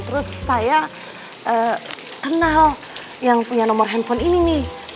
terus saya kenal yang punya nomor handphone ini nih